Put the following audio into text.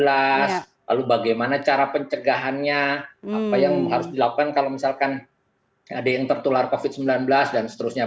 lalu bagaimana cara pencegahannya apa yang harus dilakukan kalau misalkan ada yang tertular covid sembilan belas dan seterusnya